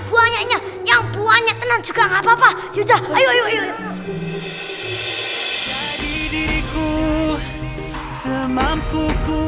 buahnya yang buahnya tenang juga nggak papa yuk ayo ayo ayo ayo jadi diriku semampu